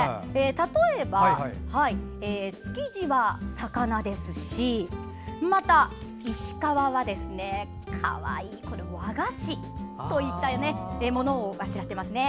例えば、築地は魚ですしまた、石川はかわいい和菓子といったものをあしらっていますね。